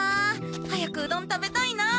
早くうどん食べたいな。